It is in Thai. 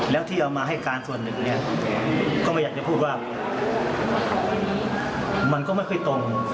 แล้วที่เอามาให้การส่วนหนึ่งเนี่ยก็ไม่อยากจะพูดว่ามันก็ไม่ค่อยตรง